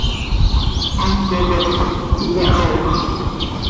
Haaco cop iyahooxp.